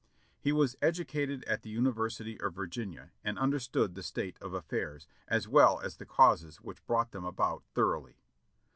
He was educated at the University of Virginia and un derstood the state of affairs, as well as the causes which brought them about, thoroughly.